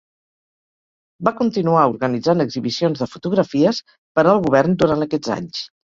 Va continuar organitzant exhibicions de fotografies per al govern durant aquests anys.